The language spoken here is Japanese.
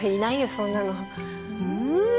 そんなのうーん？